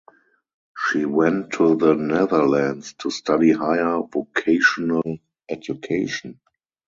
She went to the Netherlands to study higher vocational education.